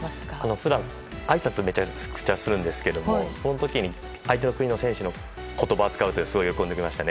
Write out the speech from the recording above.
普段、あいさつをめちゃくちゃするんですけどその時に相手の国の選手の言葉を使うとうれしくなってましたね。